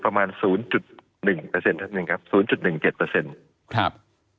ประมาณศูนย์จุดหนึ่งเปอร์เซ็นท่านหนึ่งครับศูนย์จุดหนึ่งเจ็ดเปอร์เซ็นต์ครับ